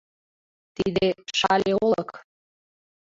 Тиде — Шале олык.